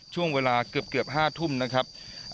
ช่วงเวลาเกือบ๕ทุ่มนะครับ